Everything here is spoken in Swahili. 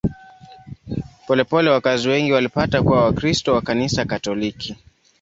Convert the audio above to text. Polepole wakazi wengi walipata kuwa Wakristo wa Kanisa Katoliki.